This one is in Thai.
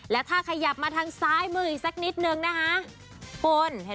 และถ้าขยับมาทางซ้ายมืออีกสักนิดนึงนะคะคุณ